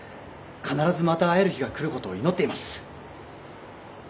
必ずまた会える日が来ることを祈っています。